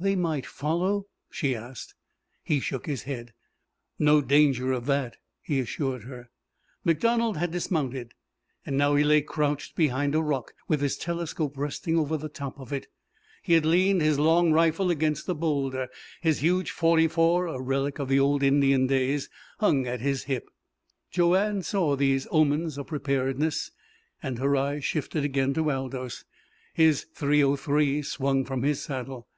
"They might follow?" she asked. He shook his head. "No danger of that," he assured her. MacDonald had dismounted, and now he lay crouched behind a rock, with his telescope resting over the top of it. He had leaned his long rifle against the boulder; his huge forty four, a relic of the old Indian days, hung at his hip. Joanne saw these omens of preparedness, and her eyes shifted again to Aldous. His .303 swung from his saddle.